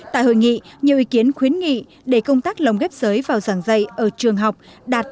tại hội nghị nhiều ý kiến khuyến nghị để công tác lồng ghép giới vào giảng dạy ở trường học đạt